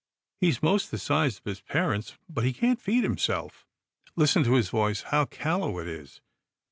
He's most the size of his parents, but he can't feed himself. Listen to his voice, how callow it is.